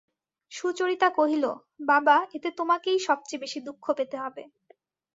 সুচরিতা কহিল, বাবা, এতে তোমাকেই সব চেয়ে বেশি দুঃখ পেতে হবে।